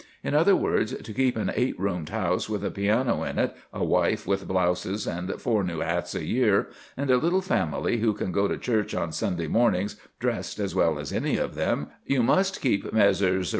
In other words, to keep an eight roomed house with a piano in it, a wife with blouses and four new hats a year, and a little family who can go to church on Sunday mornings dressed as well as any of them, you must keep Messrs.